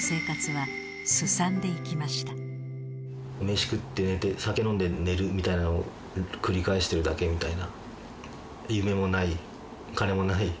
飯食って寝て酒飲んで寝るみたいなのを繰り返してるだけみたいな。